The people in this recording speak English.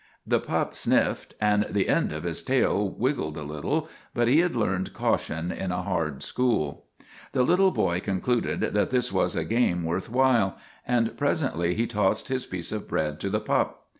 The pup sniffed, and the end of his tail wiggled a little, but he had learned caution in a hard school. The little boy concluded that this was a game 5 6 MAGINNIS worth while, and presently he tossed his piece of bread to the pup.